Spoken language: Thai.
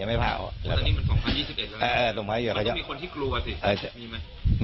อันนี้มัน๒๐๒๑หรืออะไรครับมันต้องมีคนที่กลัวสิมีไหม